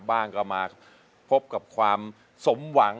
บ้างก็มาพบกับความสมหวัง